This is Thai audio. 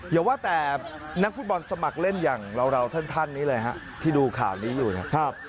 อย่าว่าแต่นักฟุตบอลสมัครเล่นอย่างเราท่านนี้เลยฮะที่ดูข่าวนี้อยู่นะครับ